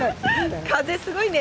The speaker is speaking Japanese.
風すごいね！